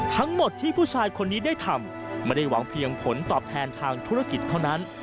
ทั้งหมดที่ผู้ชายคนนี้ได้ทำไม่ได้หวังเพียงผลตอบแทนทางธุรกิจเท่านั้น